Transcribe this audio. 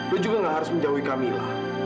lo juga gak harus menjauhi camilla